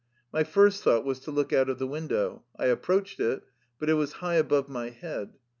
My first thought was to look out of the win dow. I approached it, but it was high above my head.